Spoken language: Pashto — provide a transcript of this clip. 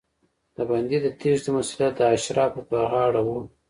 د بندي د تېښتې مسوولیت د اشرافو پر غاړه و.